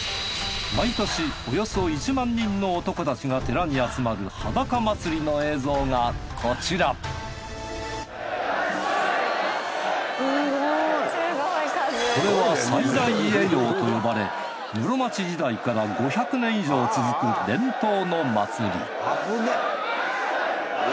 毎年およそ１万人の男たちが寺に集まるこれは西大寺会陽と呼ばれ室町時代から５００年以上続く伝統の祭り